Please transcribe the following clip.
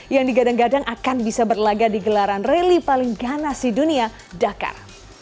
yang digadang gadang akan bisa berlaga di gelaran rally paling ganas di dunia dakar